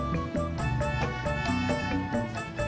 nih makasih ya